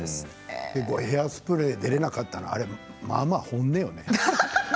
「ヘアスプレー」出られなかったのはまあまあ本音よね。